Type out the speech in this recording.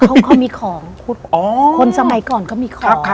เขาก็มีของคนสมัยก่อนเขามีของ